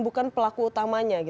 bukan pelaku utamanya